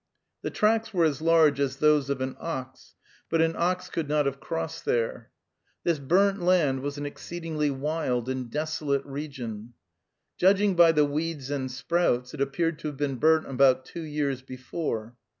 The tracks were as large as those of an ox, but an ox could not have crossed there. This burnt land was an exceedingly wild and desolate region. Judging by the weeds and sprouts, it appeared to have been burnt about two years before.